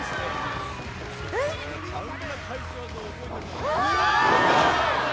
うわ！